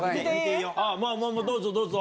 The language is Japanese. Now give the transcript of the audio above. もうどうぞどうぞ。